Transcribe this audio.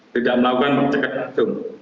tidak melakukan pencegahan langsung